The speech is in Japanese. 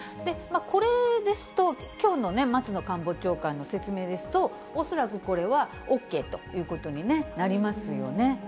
これですと、きょうの松野官房長官の説明ですと、恐らくこれはＯＫということになりますよね。